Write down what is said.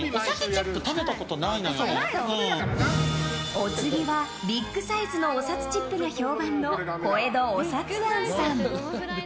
お次は、ビッグサイズのおさつチップが評判の小江戸おさつ庵さん。